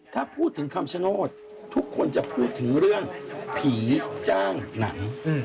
ถ้าพูดถึงคำชโนธทุกคนจะพูดถึงเรื่องผีจ้างหนัง